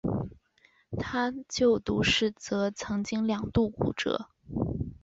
他就读时则曾经两度骨折。